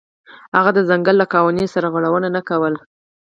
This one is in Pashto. هغه د ځنګل له قوانینو سرغړونه نه کوله.